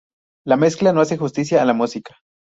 La mezcla no hace justicia a la música.